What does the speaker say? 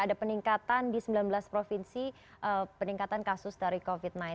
ada peningkatan di sembilan belas provinsi peningkatan kasus dari covid sembilan belas